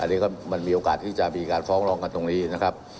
อันนี้ก็มันมีโอกาสที่จะมีการฟ้องร้องกันตรงนี้นะครับ